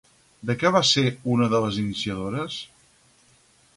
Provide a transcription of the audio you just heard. De què va ser una de les iniciadores?